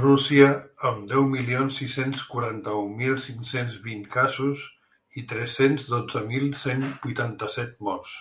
Rússia, amb deu milions sis-cents quaranta-un mil cinc-cents vint casos i tres-cents dotze mil cent vuitanta-set morts.